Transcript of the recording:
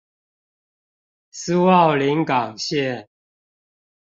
蘇澳臨港線